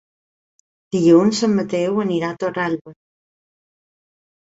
Dilluns en Mateu anirà a Torralba.